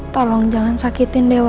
tolong jangan sakitin dewa lagi ya